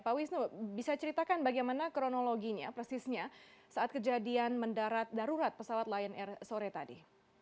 pak wisnu bisa ceritakan bagaimana kronologinya persisnya saat kejadian mendarat darurat pesawat lion air sore tadi